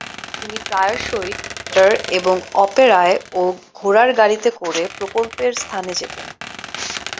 তিনি প্রায়শই থিয়েটার এবং অপেরায় ও ঘোড়ার গাড়িতে করে প্রকল্পের স্থানে যেতেন।